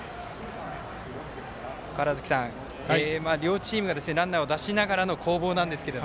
川原崎さん、両チームがランナーを出しながらの攻防です。